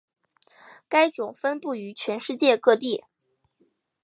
该种分布于全世界各地。